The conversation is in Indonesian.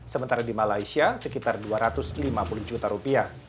sementara di malaysia sekitar dua ratus lima puluh juta rupiah